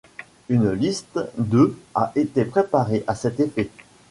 Une liste de a été préparée à cet effet.